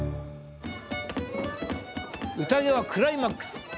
うたげはクライマックス。